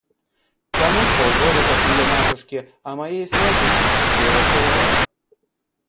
Тому с полгода, как ее матушке, а моей сватьюшке, сделался удар...